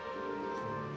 ya yaudah pak